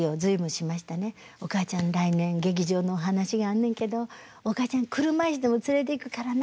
「おかあちゃん来年劇場の話があんねんけどおかあちゃん車いすでも連れていくからな」